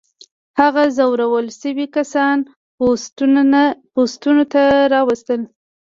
هغه ځورول شوي کسان پوستونو ته راوستل.